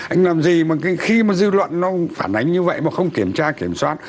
anh làm gì mà khi mà dư luận nó phản ánh như vậy mà không kiểm tra kiểm soát